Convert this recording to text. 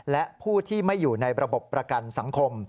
และผู้ที่ไม่อยู่ในระบบประกันสังคม